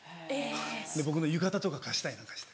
僕の浴衣とか貸したりなんかして。